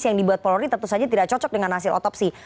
yang dibuat polri tentu saja tidak cocok dengan hasil otopsi